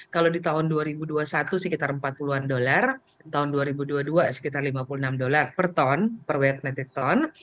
kalau di tahun dua ribu dua puluh satu sekitar empat puluh an dolar tahun dua ribu dua puluh dua sekitar lima puluh enam dolar per ton per wait metric ton